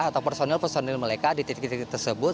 atau personil personil mereka di titik titik tersebut